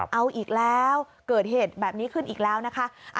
เอาอีกแล้วเกิดเหตุแบบนี้ขึ้นอีกแล้วนะคะ